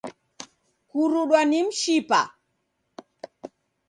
Kurudwa ni mshipa